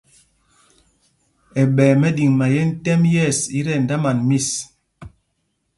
Ɛɓɛ̄y mɛɗiŋmáyēn tɛ́m yɛ̂ɛs í tí ɛdāman mis.